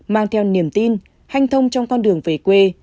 mang theo niềm tin hanh thông trong con đường về quê